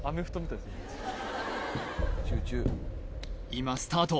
今スタート